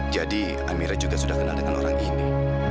jadi amira juga sudah kenal dengan orang ini